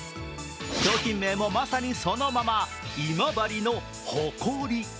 商品名も、まさにそのまま、今治のホコリ。